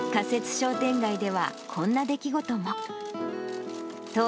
仮設商店街では、こんな出来事も。